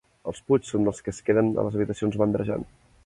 Els Puig són dels que es queden a les habitacions mandrejant.